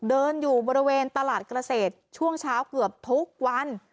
เดินอยู่บริเวณตลาดเกษตรช่วงเช้าเกือบทุกวัน